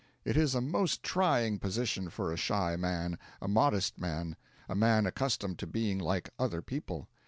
It is a most trying position for a shy man, a modest man, a man accustomed to being like other people.